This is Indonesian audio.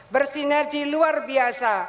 bersinergi luar biasa